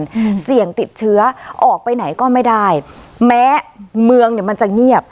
อืมเสี่ยงติดเชื้อออกไปไหนก็ไม่ได้แม้เมืองเนี้ยมันจะเงียบ